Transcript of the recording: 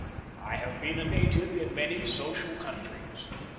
I have been a native in many social countries.